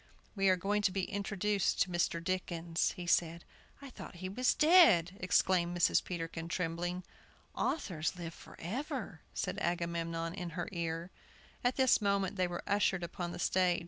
"We are going to be introduced to Mr. Dickens," he said. "I thought he was dead!" exclaimed Mrs. Peterkin trembling. "Authors live forever!" said Agamemnon in her ear. At this moment they were ushered upon the stage.